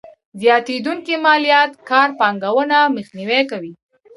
زياتېدونکې ماليات کار پانګونه مخنیوی کوي.